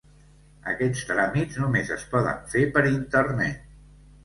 Aquests tràmits només es poden fer per internet.